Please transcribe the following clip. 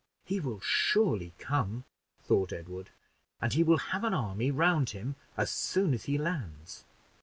"He will surely come," thought Edward, "and he will have an army round him as soon as he lands."